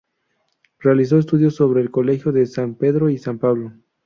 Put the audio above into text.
Realizó estudios sobre el Colegio de San Pedro y San Pablo.